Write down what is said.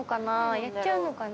やっちゃうのかな？